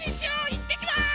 いってきます！